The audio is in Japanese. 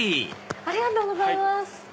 ありがとうございます！